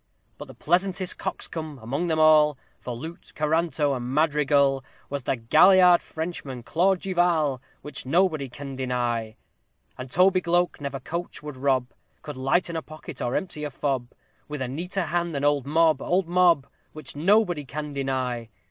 _ But the pleasantest coxcomb among them all For lute, coranto, and madrigal, Was the galliard Frenchman, CLAUDE DU VAL! Which nobody can deny. And Tobygloak never a coach could rob, Could lighten a pocket, or empty a fob, With a neater hand than OLD MOB, OLD MOB! _Which nobody can deny.